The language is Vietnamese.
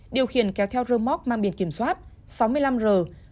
điều khiển kéo theo rơ móc mang biển kiểm soát sáu mươi năm r sáu trăm linh bảy